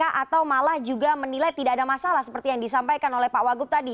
atau malah juga menilai tidak ada masalah seperti yang disampaikan oleh pak wagub tadi